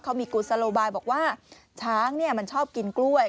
เขามีกุศโลบายบอกว่าช้างมันชอบกินกล้วย